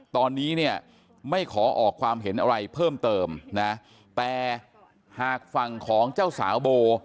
ตอนนี้เนี่ยไม่ขอออกความเห็นอะไรเพิ่มเติมนะแต่หากฝั่งของเจ้าสาวโบ